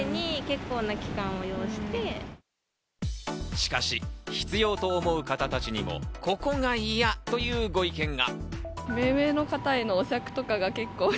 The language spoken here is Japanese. しかし必要と思う方たちにも、ここが嫌というご意見が。